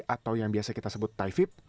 atau yang biasa kita sebut taifib